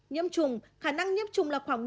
nhiễm trùng khả năng nhiễm trùng là khoảng một bốn